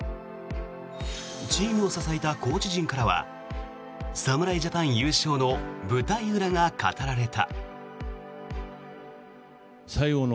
チームを支えたコーチ陣からは侍ジャパン優勝の舞台裏が語られた。